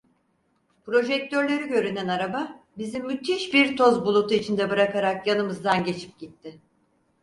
Projektörleri görünen araba bizi müthiş bir toz bulutu içinde bırakarak yanımızdan geçip gitti.